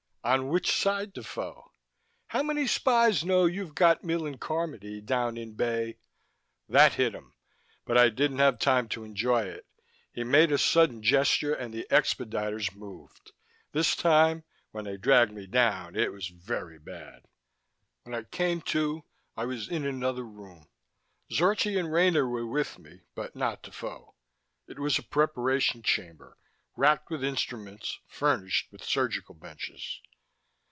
"On which side, Defoe? How many spies know you've got Millen Carmody down in Bay " That hit him. But I didn't have time to enjoy it. He made a sudden gesture, and the expediters moved. This time, when they dragged me down, it was very bad. When I came to, I was in another room. Zorchi and Rena were with me, but not Defoe. It was a preparation chamber, racked with instruments, furnished with surgical benches.